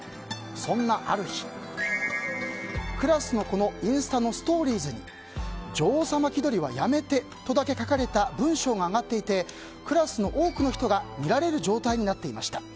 そんなある日、クラスの子のインスタのストーリーズに女王様気取りはやめてとだけ書かれた文章が上がっていてクラスの多くの人が見られる状態になっていました。